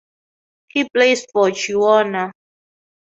He plays for Genoa.